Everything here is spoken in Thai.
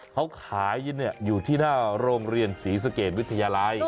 เขาขายที่นี่แหลบรรคสไฟน์สี่สะเกจวิทยาลาย